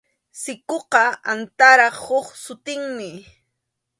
Sikuqa antarap huk sutinmi.